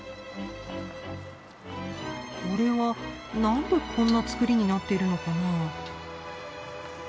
これは何でこんな造りになっているのかな？